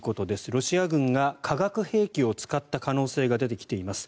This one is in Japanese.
ロシア軍が化学兵器を使った可能性が出てきています。